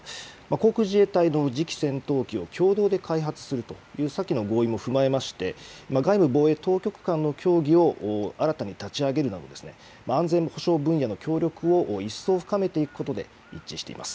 航空自衛隊の次期戦闘機を共同で開発するというさきの合意も踏まえまして、外務・防衛当局間の協議を新たに立ち上げるなど、安全保障分野の協力を一層深めていくことで一致しています。